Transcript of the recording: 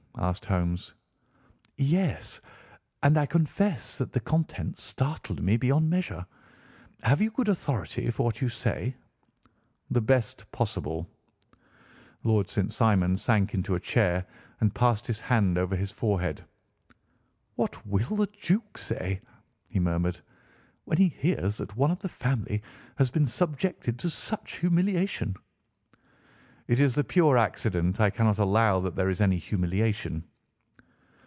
asked Holmes. "Yes, and I confess that the contents startled me beyond measure. Have you good authority for what you say?" "The best possible." Lord St. Simon sank into a chair and passed his hand over his forehead. "What will the Duke say," he murmured, "when he hears that one of the family has been subjected to such humiliation?" "It is the purest accident. I cannot allow that there is any humiliation."